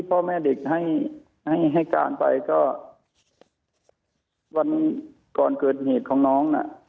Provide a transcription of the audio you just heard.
พ่อแม่เด็กให้ให้การไปก็วันก่อนเกิดเหตุของน้องน่ะ